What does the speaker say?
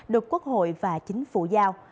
đột quốc hội và chính phủ giao